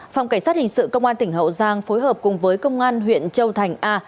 phòng cảnh sát hình sự công an tỉnh hậu giang phối hợp cùng với công an huyện châu thành a